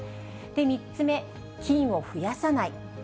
３つ目、菌を増やさない。